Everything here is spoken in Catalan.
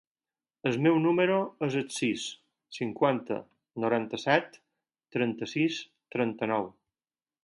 El meu número es el sis, cinquanta, noranta-set, trenta-sis, trenta-nou.